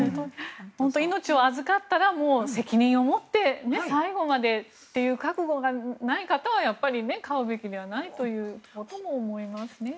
命を預かったら責任を持って最後までという覚悟がない方は飼うべきではないということも思いますね。